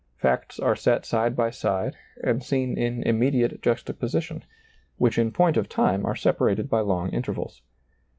Facts are set side by side and seen in immediate juxtaposition, which in point of time are separated by long intervals.